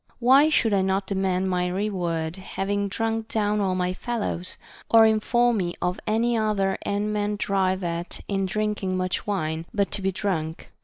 Why should I not demand my reward, having drunk down all my fellows ?— or inform me of any other end men drive at in drinking much wine, but to be drunk.